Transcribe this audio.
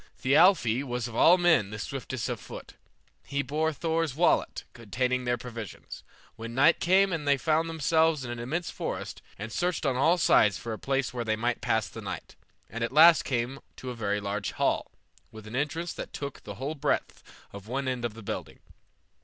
Thialfi was of all men the swiftest of foot. He bore Thor's wallet, containing their provisions. When night came on they found themselves in an immense forest, and searched on all sides for a place where they might pass the night, and at last came to a very large hall, with an entrance that took the whole breadth of one end of the building.